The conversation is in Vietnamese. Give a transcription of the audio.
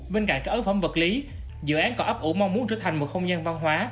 bên cạnh các ấn phẩm vật lý dự án còn ấp ủ mong muốn trở thành một không gian văn hóa